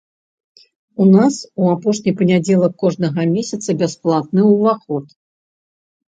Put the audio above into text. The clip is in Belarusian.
У нас у апошні панядзелак кожнага месяца бясплатны ўваход.